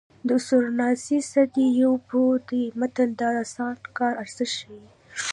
د سورناچي څه دي یو پو دی متل د اسانه کار ارزښت ښيي